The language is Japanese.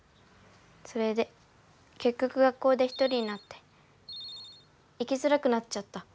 それでけっきょく学校で一人になって行きづらくなっちゃった。